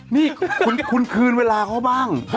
นี่คุณคืนเวลาเขาบ้าง